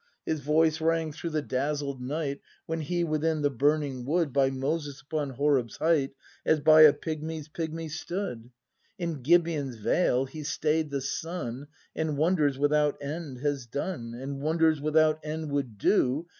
His voice rang through the dazzled night When He, within the burning wood. By Moses upon Horeb's height As by a pigmy's pigmy stood. In Gibeon's vale He stay'd the sun. And wonders without end has done. And wonders without end would do.